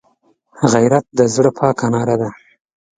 غیرت د زړه پاکه ناره ده